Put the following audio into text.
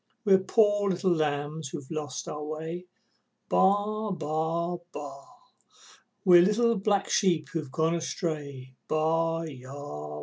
We're poor little lambs who've lost our way, Baa! Baa! Baa! We're little black sheep who've gone astray, Baa aa aa!